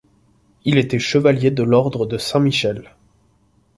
Il était Chevalier de l'Ordre de Saint-Michel.